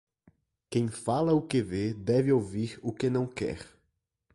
Quem fala o que vê deve ouvir o que não quer.